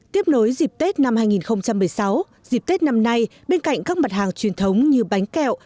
tiếp nối dịp tết năm hai nghìn một mươi sáu dịp tết năm nay bên cạnh các mặt hàng truyền thống như bánh kẹo